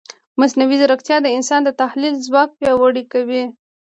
مصنوعي ځیرکتیا د انسان د تحلیل ځواک پیاوړی کوي.